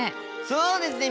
そうですね！